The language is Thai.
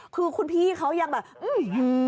คือคุณพี่เขายังแบบอื้อฮือ